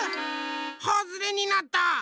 はずれになった。